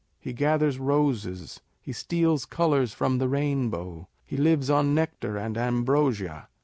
He gathers roses, he steals colours from the rainbow. He lives on nectar and ambrosia.